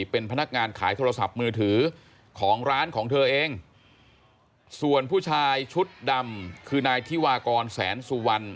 เป็นพนักงานขายโทรศัพท์มือถือของร้านของเธอเองส่วนผู้ชายชุดดำคือนายธิวากรแสนสุวรรณ